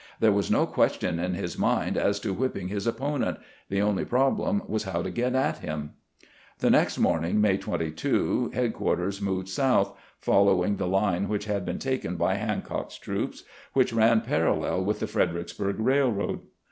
There was no question in his mind as to whipping his opponent; the only problem was how to get at him. The next morning. May 22, headquarters moved south, following the line which had been taken by Hancock's troops, which ran parallel with the Fredericksburg Rail road.